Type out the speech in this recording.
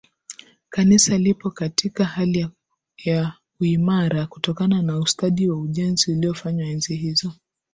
Kanisa lipo katika hali ya uimara kutokana na ustadi wa ujenzi uliofanywa enzi hizo